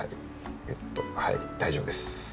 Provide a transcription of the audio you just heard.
ギュッとはい大丈夫です。